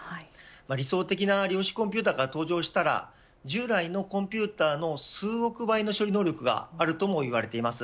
理想的な量子コンピューターが登場したら従来のコンピューターの数億倍の処理能力があるともいわれています。